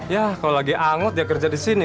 ya kalau lagi anut dia kerja di sini